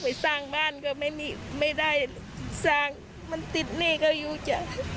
ไปสร้างบ้านก็ไม่ได้สร้างมันติดหนี้ก็อยู่จ้ะ